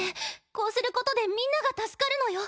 こうすることでみんなが助かるのよ。